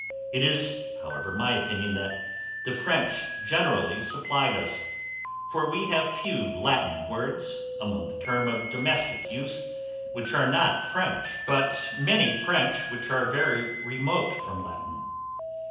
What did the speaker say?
It is, however, my opinion, that the French generally supplied us; for we have few Latin words, among the terms of domestick use, which are not French; but many French, which are very remote from Latin.